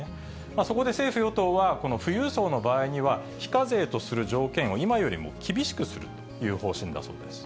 そこで政府・与党は、この富裕層の場合には、非課税とする条件を今よりも厳しくするという方針だそうです。